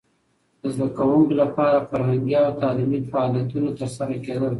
د زده کوونکو لپاره فرهنګي او تعلیمي فعالیتونه ترسره کېدل.